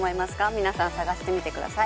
皆さん探してみてください。